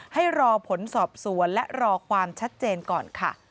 ให้รอผลสอบสวนและรอความชัดเจนก่อนค่ะ